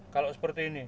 kalau seperti ini